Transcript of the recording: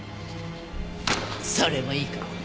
それもいいかもね。